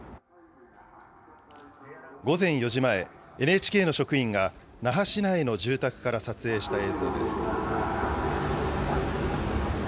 午前４時前、ＮＨＫの職員が那覇市内の住宅から撮影した映像です。